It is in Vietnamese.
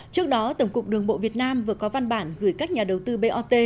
trước đó tổng cục đường bộ việt nam vừa có văn bản gửi các nhà đầu tư bot